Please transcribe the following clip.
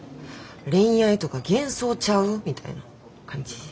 恋愛とか幻想ちゃう？みたいな感じ。